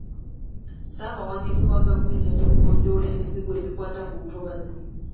Ssaabawabuzi wa gavumenti ajja kugonjoola ebizibu ebikwata ku ntobazi.